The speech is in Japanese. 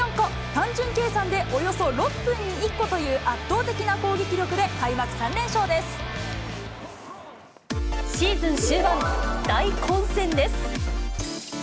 単純計算でおよそ６分に１個という圧倒的な攻撃力で開幕３連勝でシーズン終盤、大混戦です。